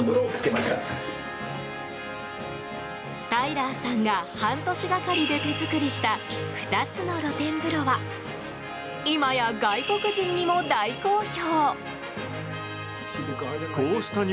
タイラーさんが半年がかりで手作りした２つの露天風呂は今や外国人にも大好評！